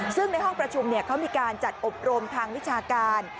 ซึ่งในห้องประชุมเขามีการจัดอบรมทางวิชาการ